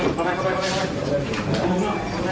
อย่าควดเต้น